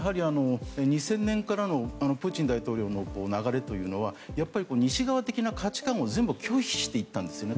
２０００年からのプーチン大統領の流れは西側的な価値観を全部、拒否していったんですね。